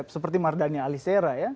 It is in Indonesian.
seperti mardhani alisera ya